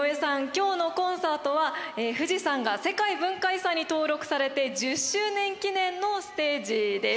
今日のコンサートは富士山が世界文化遺産に登録されて１０周年記念のステージです。